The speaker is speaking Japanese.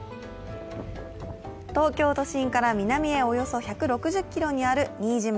東京都心から南へおよそ１６０ｋｍにある新島。